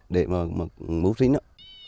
để mà mũ sĩ nữa